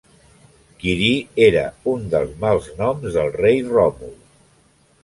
Quirí era un dels mals noms del rei Ròmul.